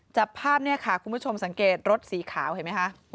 จับภาพเนี่ยค่ะคุณผู้ชมสังเกตรถสีขาวเห็นไหมคะ